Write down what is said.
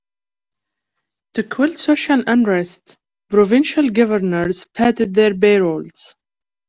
To quell social unrest, provincial governors padded their payrolls.